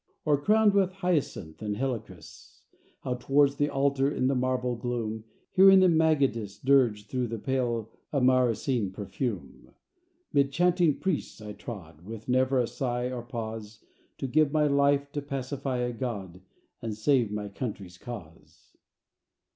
Or, crowned with hyacinth and helichrys, How, towards the altar in the marble gloom, Hearing the magadis Dirge through the pale amaracine perfume, 'Mid chanting priests I trod, With never a sigh or pause, To give my life to pacify a god, And save my country's cause.